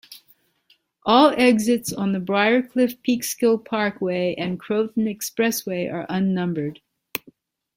All exits on the Briarcliff-Peeksill Parkway and Croton Expressway are unnumbered.